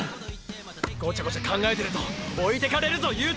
ごちゃごちゃ考えてるとおいてかれるぞ悠人！！